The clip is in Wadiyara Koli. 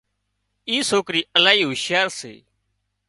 اي سوڪري الاهي هُوشيار سي